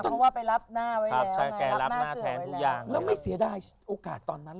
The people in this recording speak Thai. เพราะว่าไปรับหน้าไว้แล้วรับหน้าเสือกไว้แล้วแล้วไม่เสียดายโอกาสตอนนั้น